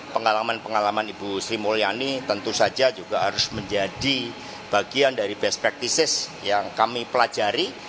pengalaman pengalaman ibu sri mulyani tentu saja juga harus menjadi bagian dari best practices yang kami pelajari